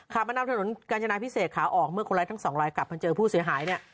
มานำถนนกาญจนาพิเศษขาออกเมื่อคนร้ายทั้งสองลายกลับมาเจอผู้เสียหายเนี่ย